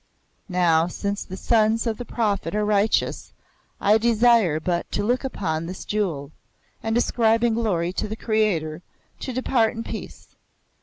Now, since the sons of the Prophet are righteous, I desire but to look upon this jewel, and ascribing glory to the Creator, to depart in peace.